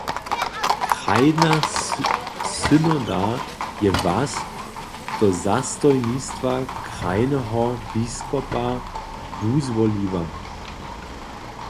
Krajna synoda je Was do zastojnstwa krajneho biskopa wuzwoliła.